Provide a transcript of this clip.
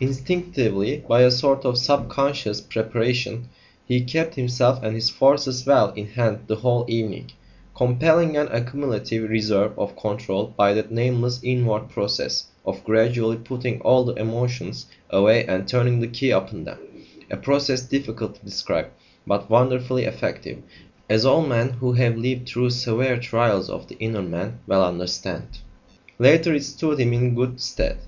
Instinctively, by a sort of sub conscious preparation, he kept himself and his forces well in hand the whole evening, compelling an accumulative reserve of control by that nameless inward process of gradually putting all the emotions away and turning the key upon them a process difficult to describe, but wonderfully effective, as all men who have lived through severe trials of the inner man well understand. Later, it stood him in good stead.